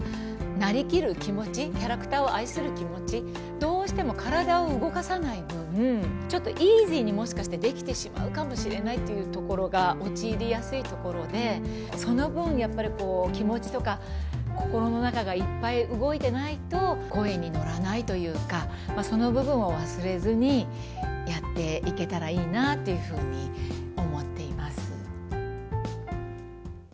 なりきる気持ち、キャラクターを愛する気持ち、どうしても体を動かさない分、ちょっとイージーにもしかしてできてしまうかもしれないというところが陥りやすいところで、その分、やっぱりこう、気持ちとか心の中がいっぱい動いてないと、声にのらないというか、その部分を忘れずにやっていけたらいいなっていうふうに思っています。